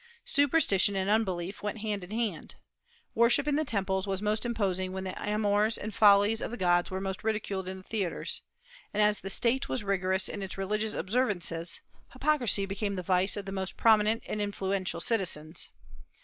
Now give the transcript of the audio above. Superstition and unbelief went hand in hand. Worship in the temples was most imposing when the amours and follies of the gods were most ridiculed in the theatres; and as the State was rigorous in its religious observances, hypocrisy became the vice of the most prominent and influential citizens.